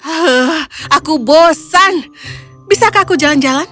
ah aku bosan bisakah aku jalan jalan